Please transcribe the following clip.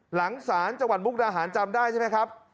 หลังศาลจังหวัดมุกดาหารจำได้ใช่ไหมครับ